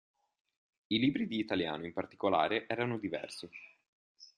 I libri di italiano, in particolare, erano diversi.